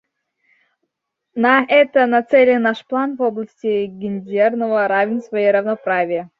На это нацелен наш план в области гендерного равенства и равноправия.